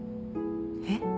えっ？